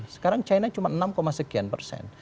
sekarang china cuma enam sekian persen